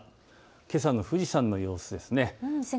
けさの富士山の様子です。